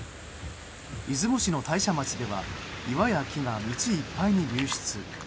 出雲市の大社町では岩や木が道いっぱいに流出。